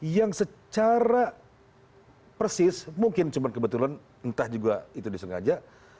yang secara persis mungkin cuma kebetulan entah juga itu disengaja